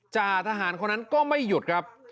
จ่าทหารคนนั้นก็ไม่หยุดครับ